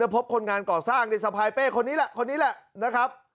พบคนงานก่อสร้างในสะพายเป้คนนี้แหละคนนี้แหละนะครับ